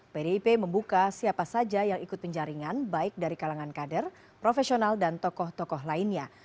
pdip membuka siapa saja yang ikut penjaringan baik dari kalangan kader profesional dan tokoh tokoh lainnya